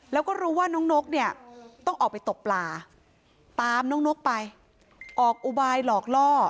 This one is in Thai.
แล้วก็รู้ว่าน้องนกเนี่ยต้องออกไปตกปลาตามน้องนกไปออกอุบายหลอกล่อ